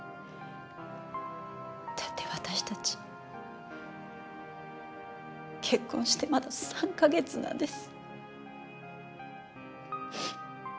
だって私たち結婚してまだ３カ月なんです。